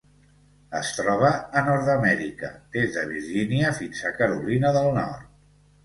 Es troba a Nord-amèrica: des de Virgínia fins a Carolina del Nord.